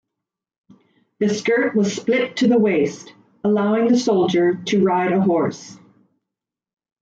The skirt was split to the waist, allowing the soldier to ride a horse.